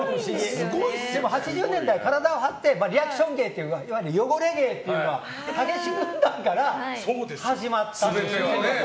でも８０年代、体を張ってリアクション芸っていういわゆる汚れ芸というのはたけし軍団から始まった。